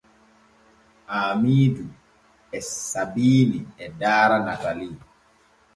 Haamiidu e Sabiini e daara Natalii.